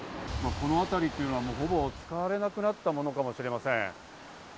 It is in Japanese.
この辺りはほぼ使われなくなったものかもしれません。